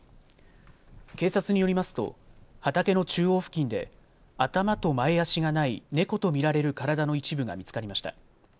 警察によりますと畑の中央付近で頭と前足がない猫と見られる体の一部が見つかりました。